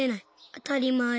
あたりまえ。